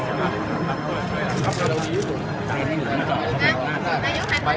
สวัสดีครับขอบคุณครับขอบคุณครับ